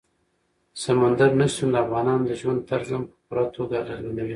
سمندر نه شتون د افغانانو د ژوند طرز هم په پوره توګه اغېزمنوي.